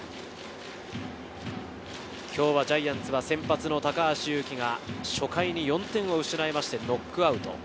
今日のジャイアンツは先発の高橋優貴が初回に４点を失いましてノックアウト。